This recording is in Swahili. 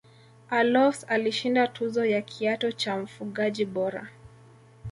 allofs alishinda tuzo ya kiatu cha mfungaji bora